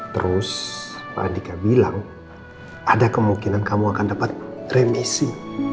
terus pak andika bilang ada kemungkinan kamu akan dapat remisi